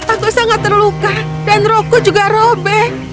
aku sangat terluka dan roko juga robek